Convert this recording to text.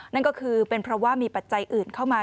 นั่นก็คือเป็นเพราะว่ามีปัจจัยอื่นเข้ามา